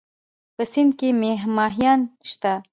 په سيند کې مهيان شته؟